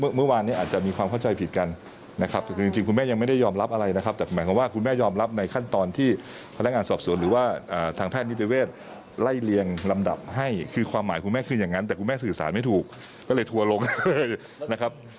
คือความหมายคุณแม่คือยังงั้นแต่คุณแม่สื่อสารไม่ถูกก็เลยทัวรกเลยนะครับ